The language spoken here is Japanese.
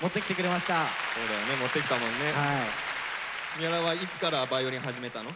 三原はいつからバイオリン始めたの？